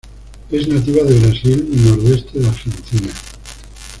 Es nativa de Brasil y nordeste de Argentina.